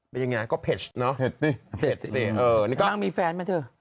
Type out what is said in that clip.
เป็นยังไงก็เพชรเนอะเพชรสิเพชรสินั่งมีแฟนไหมเถอะ